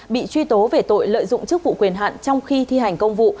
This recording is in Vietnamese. bị truy tố về tội lợi dụng chức vụ quyền hạn trong khi thi hành công vụ